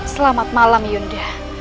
selamat malam yunda